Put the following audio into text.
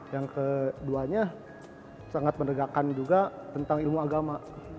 yang keduanya sangat menegakkan juga tentang ilmu agama